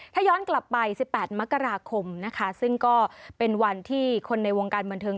ถ้าย้อนกลับไป๑๘มกราคมนะคะซึ่งก็เป็นวันที่คนในวงการบันเทิง